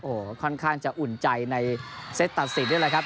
โอ้โหค่อนข้างจะอุ่นใจในเซตตัดสินนี่แหละครับ